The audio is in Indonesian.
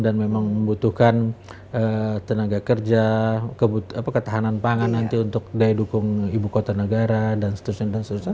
dan memang membutuhkan tenaga kerja ketahanan pangan nanti untuk daya dukung ibu kota negara dan seterusnya